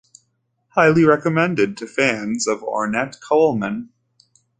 Highly recommended to fans of Ornette Coleman.